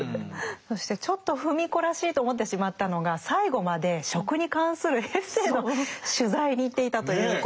そしてちょっと芙美子らしいと思ってしまったのが最後まで食に関するエッセーの取材に行っていたということ。